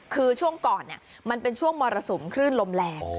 คือช่วงก่อนมันเป็นช่วงมรสุมคลื่นลมแรง